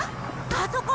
あそこ！